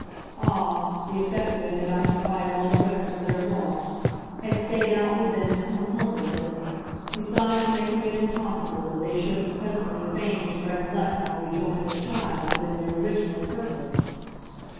Ah, the effect of it had occupied all the rest of their walk, had stayed out with them and come home with them, besides making it impossible that they shouldn't presently feign to recollect how rejoining the child had been their original purpose.